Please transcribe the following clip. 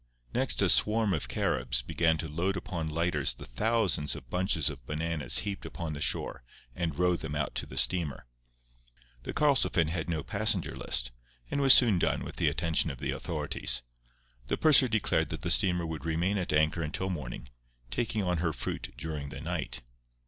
Next a swarm of Caribs began to load upon lighters the thousands of bunches of bananas heaped upon the shore and row them out to the steamer. The Karlsefin had no passenger list, and was soon done with the attention of the authorities. The purser declared that the steamer would remain at anchor until morning, taking on her fruit during the night.